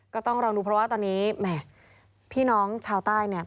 ก็ต้องรอดูเพราะว่าตอนนี้แหมพี่น้องชาวใต้เนี่ย